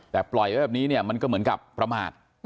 แต่ปล่อยไว้แบบนี้เนี่ยมันก็เหมือนกับประมาท